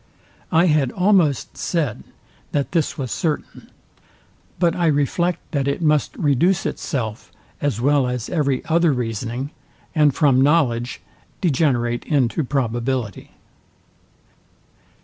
I had almost said, that this was certain; but I reflect that it must reduce itself, as well as every other reasoning, and from knowledge degenerate into probability.